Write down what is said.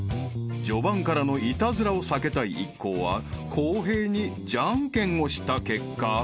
［序盤からのイタズラを避けたい一行は公平にじゃんけんをした結果］